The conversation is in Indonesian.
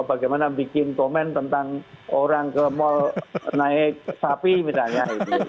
bagaimana bikin komen tentang orang ke mal naik sapi misalnya